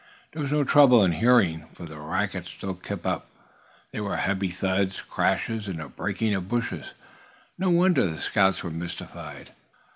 There was no trouble in hearing, for the racket still kept up. There were heavy thuds, crashes, and a breaking of bushes. No wonder the scouts were mystified.